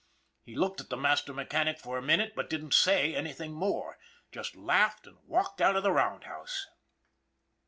He looked at the master mechanic for a min ute, but didn't say anything more just laughed and walked out of the roundhouse.